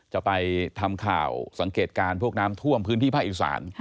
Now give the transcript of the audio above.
จะไปทำข่าวสังเกตการณ์พวกน้ำท่วมพื้นที่ภาคอีสาน